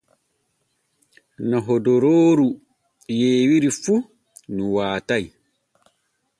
No hodorooru yeewiri fu nu waatay.